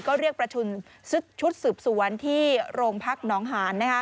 ก็เรียกประชุมชุดสืบสวนที่โรงพักหนองหาน